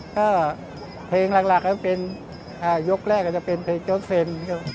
ก็เพลงหลักก็เป็นยกแรกจะเป็นเพลงโจทย์เซ็น